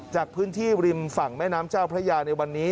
จากพื้นที่ริมฝั่งแม่น้ำเจ้าพระยาในวันนี้